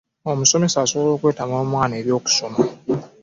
Omusomesa asobola okwetamya omwana eby'okusoma.